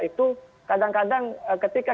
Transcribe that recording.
itu kadang kadang ketika